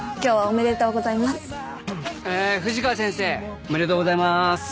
おめでとうございます。